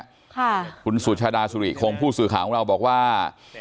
ค่ะคุณสุชาดาสุริคงผู้สื่อข่าวของเราบอกว่า